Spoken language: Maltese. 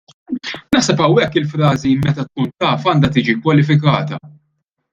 Naħseb hawnhekk il-frażi " meta tkun taf " għandha tiġi kwalifikata.